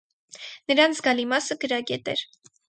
Նրանց զգալի մասը գրագետ էր։